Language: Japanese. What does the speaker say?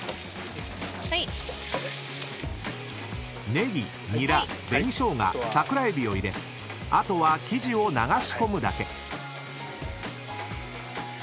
［ネギニラ紅しょうがサクラエビを入れあとは生地を流し込むだけ］